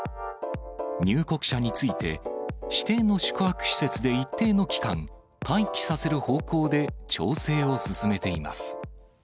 入国者について、指定の宿泊施設で一定の期間、待機させる方向で調整を進めています。